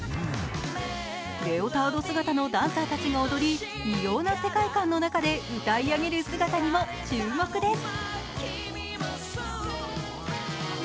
レオタード姿のダンサーたちが踊り、異様な世界観の中で歌い上げる姿にも注目です。